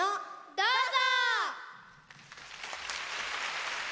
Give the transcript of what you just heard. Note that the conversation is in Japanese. どうぞ！